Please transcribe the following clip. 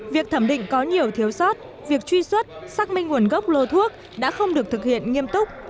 việc thẩm định có nhiều thiếu sót việc truy xuất xác minh nguồn gốc lô thuốc đã không được thực hiện nghiêm túc